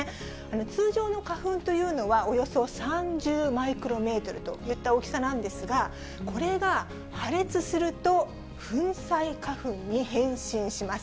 通常の花粉というのは、およそ３０マイクロメートルといった大きさなんですが、これが破裂すると、粉砕花粉に変身します。